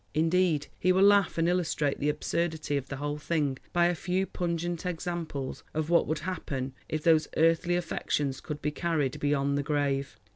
Indeed he will laugh and illustrate the absurdity of the whole thing by a few pungent examples of what would happen if these earthly affections could be carried beyond the grave.